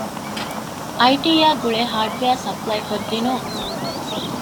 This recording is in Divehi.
އައިޓީއާ ގުޅޭ ހާޑްވެއަރ ސަޕްލައިކޮށްދިނުން